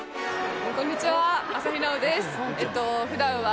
こんにちは。